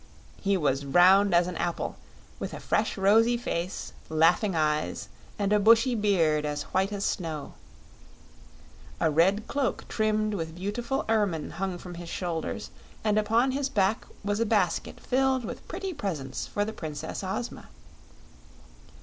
He was round as an apple, with a fresh rosy face, laughing eyes, and a bushy beard as white as snow. A red cloak trimmed with beautiful ermine hung from his shoulders and upon his back was a basket filled with pretty presents for the Princess Ozma.